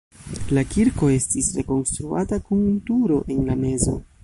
La kirko estis rekonstruata kun turo en la mezo.